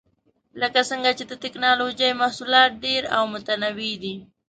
لکه څنګه چې د ټېکنالوجۍ محصولات ډېر او متنوع دي.